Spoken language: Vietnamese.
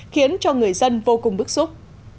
khiến cho người dân vô cùng bức xúc